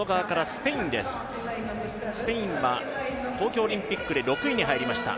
スペインは東京オリンピックで６位に入りました。